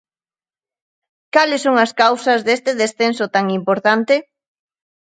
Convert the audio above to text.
Cales son as causas deste descenso tan importante?